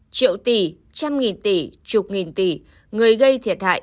triệu tỷ trăm nghìn tỷ chục nghìn tỷ người gây thiệt hại